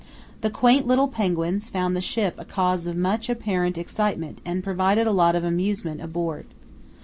The quaint little penguins found the ship a cause of much apparent excitement and provided a lot of amusement aboard.